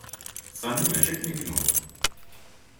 Sami mačči akken i yemmug.